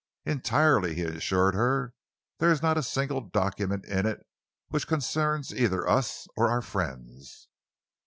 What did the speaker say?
"Entirely," he assured her. "There is not a single document in it which concerns either us or our friends.